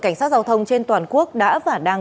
cảnh sát giao thông trên toàn quốc đã và đang